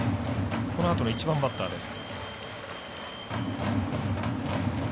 このあとの１番バッターです。